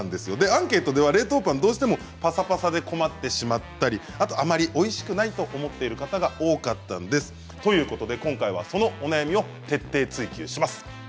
アンケートでは冷凍パンどうしてもパサパサで困ってしまったりあとあまりおいしくないと思っている方が多かったんです。ということで今回はそのお悩みを徹底追求します。